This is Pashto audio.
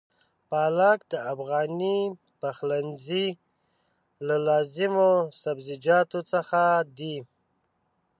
پالک د افغاني پخلنځي له لازمو سبزيجاتو څخه دی.